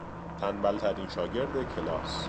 تنبلترین شاگرد کلاس